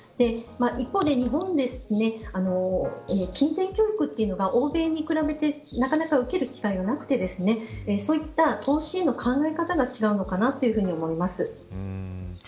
一方で、日本は金銭教育が欧米に比べてなかなか受ける機会がなくてそういった投資への考え方が違うのかなと思います。